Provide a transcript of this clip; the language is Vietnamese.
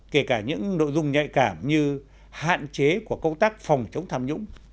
kể cả những nội dung nhạy cảm như hạn chế của công tác phòng chống tham nhũng